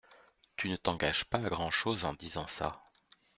Tu ne t’engages pas à grand’chose en disant ça !